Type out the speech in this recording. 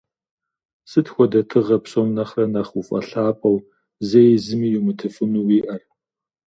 Сыт хуэдэ тыгъэ псом нэхърэ нэхъ уфӏэлъапӏэу, зэи зыми йумытыфыну уиӏэр?